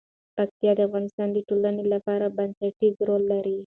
پکتیا د افغانستان د ټولنې لپاره بنسټيز رول لري.